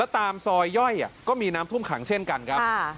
ตามซอยย่อยก็มีน้ำท่วมขังเช่นกันครับ